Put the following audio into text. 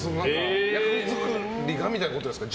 役作りがみたいなことですか？